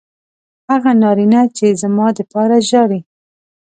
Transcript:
هغه نارینه چې زما دپاره ژاړي